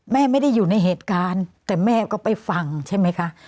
ไม่ได้อยู่ในเหตุการณ์แต่แม่ก็ไปฟังใช่ไหมคะ